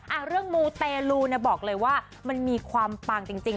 อ่ะเรื่องมูเตลูเนี่ยบอกเลยว่ามันมีความปังจริงจริง